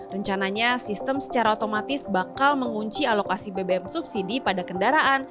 rencananya sistem secara otomatis bakal mengunci alokasi bbm subsidi pada kendaraan